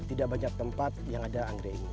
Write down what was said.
tidak banyak tempat yang ada anggrek